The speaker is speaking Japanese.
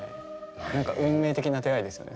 何か運命的な出会いですよね